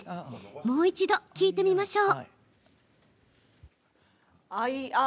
もう一度、聞いてみましょう。